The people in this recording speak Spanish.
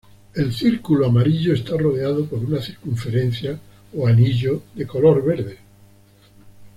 El círculo amarillo está rodeado por una circunferencia o anillo de color verde.